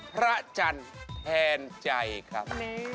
พระจันทร์แทนใจครับ